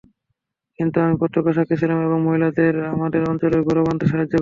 কিন্তু আমি প্রত্যক্ষ সাক্ষী ছিলাম এবং মহিলাদের আমাদের অঞ্চলের গৌরব আনতে সাহায্য করেছি!